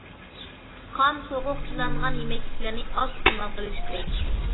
خام، سوغۇق، چىلانغان يېمەكلىكلەرنى ئاز ئىستېمال قىلىش كېرەك.